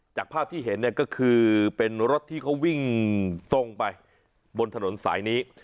จากภาพที่เห็นเนี่ยก็คือเป็นรถที่เขาวิ่งตรงไปบนถนนสายนี้